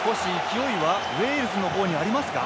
勢いは少しウェールズの方にありますか。